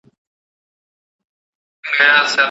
د سياست د علم ژبه پېژندل اړين دي.